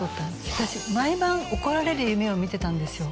私毎晩怒られる夢を見てたんですよ